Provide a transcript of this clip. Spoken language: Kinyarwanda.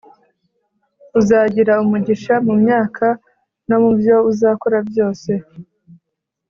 Uzagira umugisha mu myaka no mu byo uzakora byose